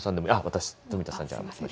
私冨田さんじゃあ。